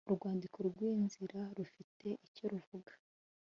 urwandiko rw inzira rufite icyo ruvuga